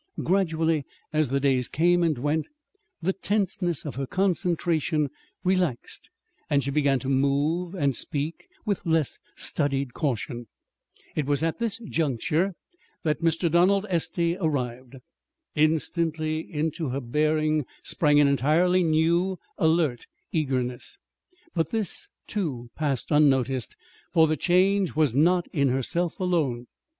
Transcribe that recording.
Gradually, as the days came and went, the tenseness of her concentration relaxed, and she began to move and speak with less studied caution. It was at this juncture that Mr. Donald Estey arrived. Instantly into her bearing sprang an entirely new, alert eagerness. But this, too, passed unnoticed, for the change was not in herself alone.